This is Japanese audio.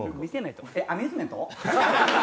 えっ、アミューズメント？